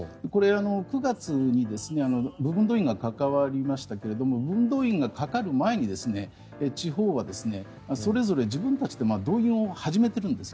９月に部分動員がかかりましたが部分動員がかかる前に地方は、それぞれ自分たちで動員を始めているんです。